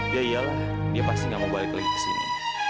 ya iyalah dia pasti gak mau balik lagi ke sini